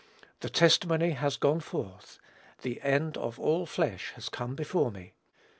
The testimony has gone forth. "The end of all flesh has come before me."